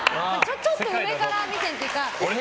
ちょっと上から目線というか。